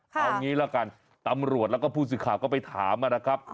เอางี้ละกันตำรวจแล้วก็ผู้สื่อข่าวก็ไปถามนะครับ